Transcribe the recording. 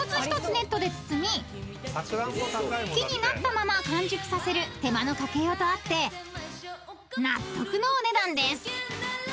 ［木になったまま完熟させる手間のかけようとあって納得のお値段です］